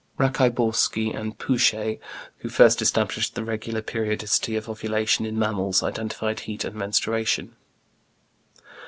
Raciborski and Pouchet, who first established the regular periodicity of ovulation in mammals, identified heat and menstruation.